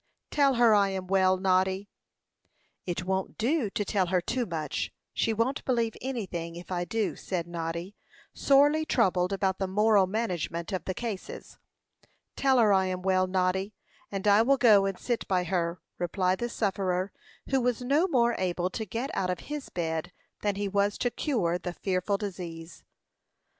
"Tell her I am well, Noddy!" "It won't do to tell her too much; she won't believe anything, if I do," said Noddy, sorely troubled about the moral management of the cases. "Tell her I am well, Noddy; and I will go and sit by her," replied the sufferer, who was no more able to get out of his bed than he was to cure the fearful disease.